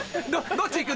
どっち行く？